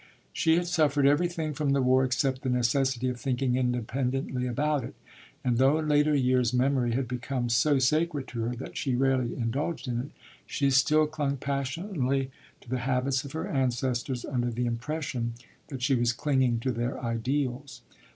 She had suffered everything from the war except the necessity of thinking independently about it, and, though in later years memory had become so sacred to her that she rarely indulged in it, she still clung passionately to the habits of her ancestors under the impression that she was clinging to their ideals.